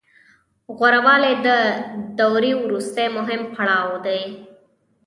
غوره والی د دورې وروستی مهم پړاو دی